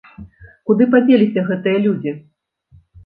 Куды падзеліся гэтыя людзі?